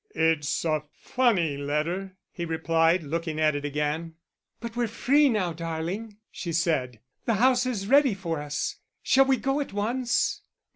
"It's a funny letter," he replied, looking at it again. "But we're free now, darling," she said. "The house is ready for us; shall we go at once?"